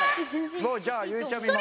もうじゃあゆうちゃみ任せるよ。